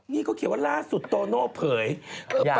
นี่เขาเขียนว่าล่าสุดโตโน่เผย